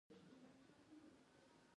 ژباړن جرمنۍ ژبه پښتو او انګلیسي ته ژباړي